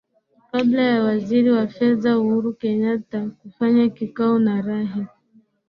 kabla ya waziri wa fedha uhuru kenyatta kufanya kikao na rai